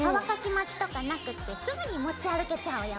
待ちとかなくってすぐに持ち歩けちゃうよ。